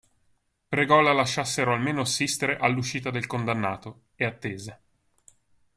Pregò la lasciassero almeno assistere all'uscita del condannato, e attese.